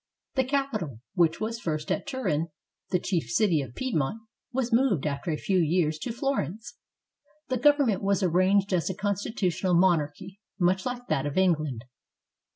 The capital, which was first at Turin, the chief city of Piedmont, was moved after a few years to Florence. The government was arranged as a consti tutional monarchy, much like that of England.